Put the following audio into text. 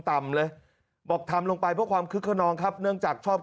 ทำยังไงสิหน้าเศร้าเลยตาลงต่ำเลย